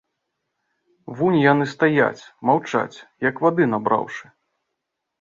Вунь яны стаяць, маўчаць, як вады набраўшы.